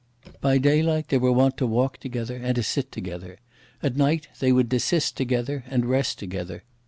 By daylight they were wont to walk together, and to sit together. At night, they would desist together, and rest together.